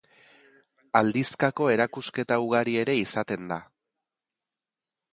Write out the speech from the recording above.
Aldizkako erakusketa ugari ere izaten da.